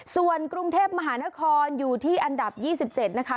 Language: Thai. ส่วนกรุงเทพมหานครอยู่ที่อันดับ๒๗นะคะ